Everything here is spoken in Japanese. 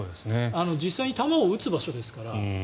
実際に弾を撃つ場所ですから。